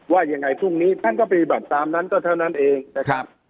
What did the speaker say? ว่ายังไงพรุ่งนี้ท่านก็ปฏิบัติตามนั้นก็เท่านั้นเองนะครับ